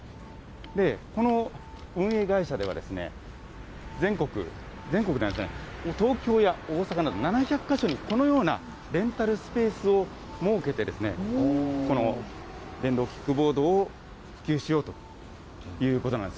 この運営会社では、東京や大阪など７００か所に、このようなレンタルスペースを設けて、この電動キックボードを普及しようということなんです。